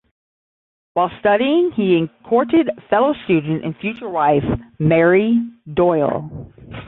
While studying he courted fellow student and future wife Mary Doyle.